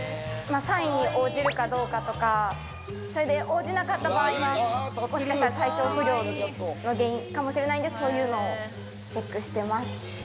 サインに応じるかどうかとか、応じなかった場合は、もしかしたら体調不良が原因かもしれないんで、そういうのをチェックしてます。